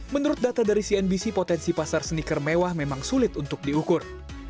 menurut data dari cnbc potensi pasar sneaker mewah memang sulit untuk diukur